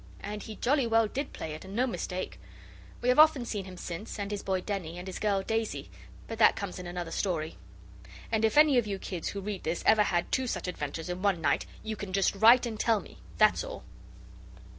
And he jolly well did play it, and no mistake. We have often seen him since, and his boy Denny, and his girl Daisy, but that comes in another story. And if any of you kids who read this ever had two such adventures in one night you can just write and tell me. That's all.